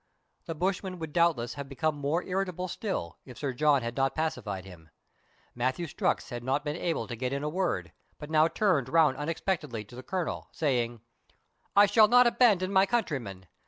The bushman would doubtless have become more irri table still, if Sir John had not pacified him. Matthew Strux had not been able to get in a word, but now turned round unexpectedly to the Colonel, saying, —" I shall not abandon my countryman.